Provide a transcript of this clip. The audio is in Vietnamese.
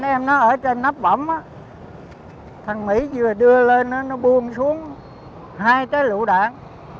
mấy em nó ở trên nắp bổng á thằng mỹ vừa đưa lên nó buông xuống hai trái lụ đạn